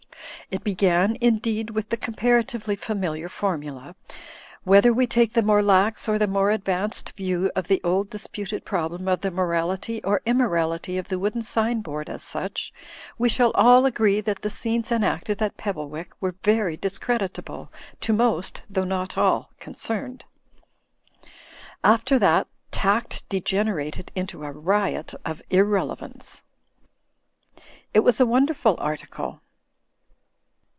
It began, indeed, with the comparatively familiar formula, "Whether we take the more lax or the more advanced view of the old disputed problem of the morality or immorality of the wooden sign board as such, we shall all agree that the scenes enacted at Pebblewick were very discreditable, to most, though not all, concerned." After that, tact degenerated into a riot of irrelevance. It was a wonderful article.